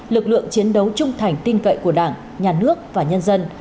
lực lượng chiến đấu trung thành tin cậy của đảng nhà nước và nhân dân